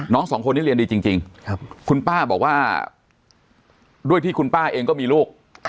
สองคนนี้เรียนดีจริงคุณป้าบอกว่าด้วยที่คุณป้าเองก็มีลูก